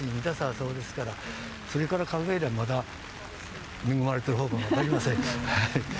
そうですから、それから考えれば、まだ恵まれてるほうかも分かりません。